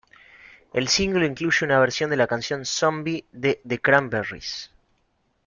El single incluye una versión de la canción ""Zombie"" de The Cranberries.